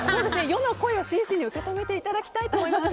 世の声を真摯に受け止めていただきたいと思います。